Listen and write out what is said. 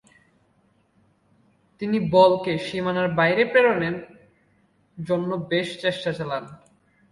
তিনি বলকে সীমানার বাইরে প্রেরণে জন্য বেশ চেষ্টা চালান।